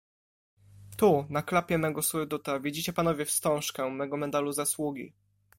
"Tu, na klapie mego surduta, widzicie panowie wstążkę mego medalu zasługi."